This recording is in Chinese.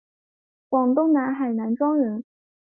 广东南海南庄人。